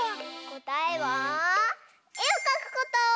こたえはえをかくこと！